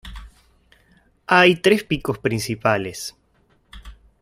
Hay tres picos principales.